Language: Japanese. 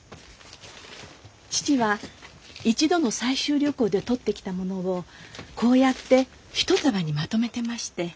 父は一度の採集旅行で採ってきたものをこうやって一束にまとめてまして。